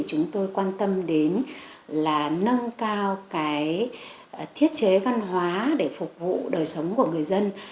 chúng tôi quan tâm đến là nâng cao thiết chế văn hóa để phục vụ đời sống của người dân